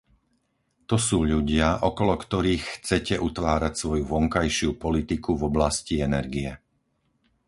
To sú ľudia, okolo ktorých chcete utvárať svoju vonkajšiu politiku v oblasti energie.